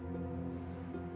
aku mau makan